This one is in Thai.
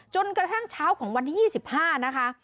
จนกระทั่งเช้าของวันที่๒๕นะคะ